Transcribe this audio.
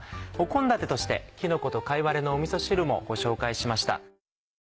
献立としてきのこと貝割れのみそ汁もご紹介しました。